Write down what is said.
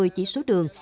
một mươi chỉ số đường